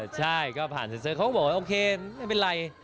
ใช่ก็ผ่านเซ็นเซอร์เขาก็บอกว่าโอเคไม่เป็นไร